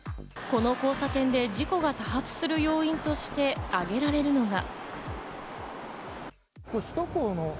この交差点で事故が多発する要因として挙げられるのが。